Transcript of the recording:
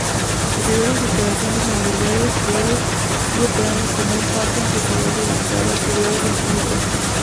Tras diversas operaciones inmobiliarias, sigue operando como un parque empresarial dedicado a actividades científicas.